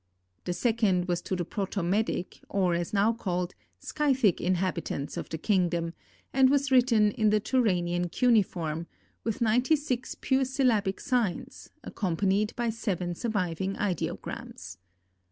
The second was to the Proto Medic, or as now called, Scythic inhabitants of the kingdom, and was written in the Turanian cuneiform, with ninety six pure syllabic signs, accompanied by seven surviving ideograms.